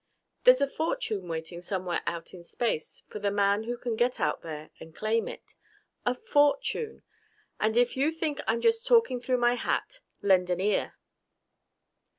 There's a fortune waiting somewhere out in space for the man who can go out there and claim it. A fortune! And if you think I'm just talking through my hat, lend an ear